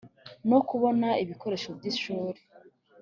no kubona ibikoresho by ishuri